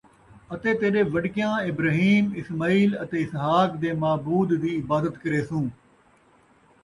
اَتے تیݙے وݙکیاں، ابراہیم، اسماعیل اَتے اِسحاق دے معبود دِی عبادت کریسوں،